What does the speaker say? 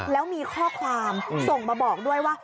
แล้วมีข้อความส่งมาบอกด้วยว่า